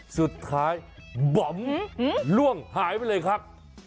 สุดท้ายบอมล่วงหายไปเลยครับ